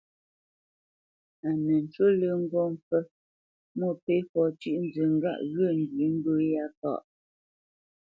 A nə ncú lə́ ŋgó mpfə́ Mwôpéfɔ cʉ́ʼnzə ŋgâʼ ghyə̂ ndǔ mbə̂ yá káʼ.